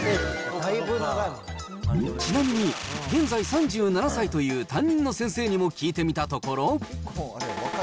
ちなみに、現在３７歳という担任の先生にも聞いてみたところ。